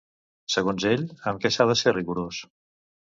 Segons ell, amb què s'ha de ser rigorós?